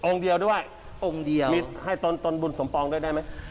องค์เดียวด้วยมิดให้ต้นต้นบุญสมปองด้วยได้ไหม